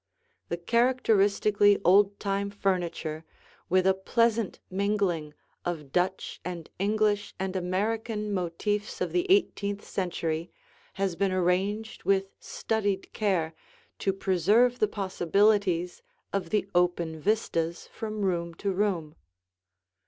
The characteristically old time furniture, with a pleasant mingling of Dutch and English and American motifs of the eighteenth century, has been arranged with studied care to preserve the possibilities of the open vistas from room to room.